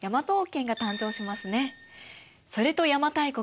それと邪馬台国